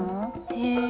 へえ。